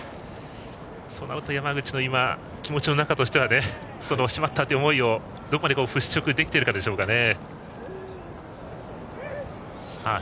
そうなると山口の気持ちとしてはしまった！という思いをどこまで払拭できているかでしょうね。